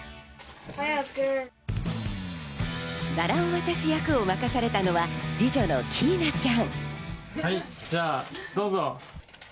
バラを渡す役割を任されたのは、二女のきいなちゃん。